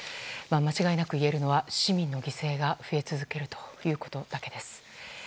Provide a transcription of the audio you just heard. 間違いなく言えるのは市民の犠牲が増え続けるということだけです。